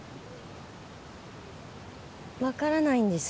分からないんです。